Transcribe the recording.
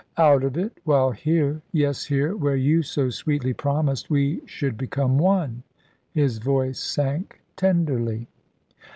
"Out of it, while here yes, here, where you so sweetly promised we should become one"; his voice sank tenderly.